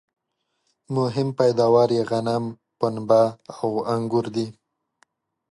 مهم پیداوار یې غنم ، پنبه او انګور دي